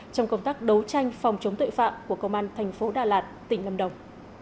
trong công tác đấu tranh phòng chống tội phạm của công an thành phố đà lạt tỉnh lâm đồng